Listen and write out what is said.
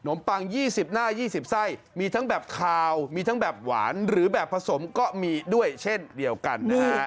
มปัง๒๐หน้า๒๐ไส้มีทั้งแบบคาวมีทั้งแบบหวานหรือแบบผสมก็มีด้วยเช่นเดียวกันนะฮะ